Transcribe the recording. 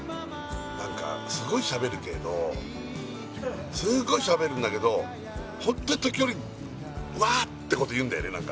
何かすごいしゃべるけどすごいしゃべるんだけどホントに時折わってこと言うんだよね